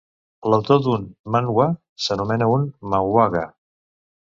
L'autor d'un manwha s'anomena un manhwaga.